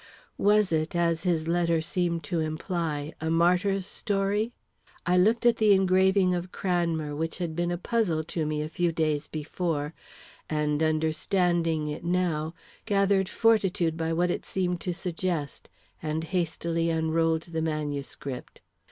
Was it, as his letter seemed to imply, a martyr's story? I looked at the engraving of Cranmer, which had been a puzzle to me a few days before, and understanding it now, gathered fortitude by what it seemed to suggest, and hastily unrolled the manuscript.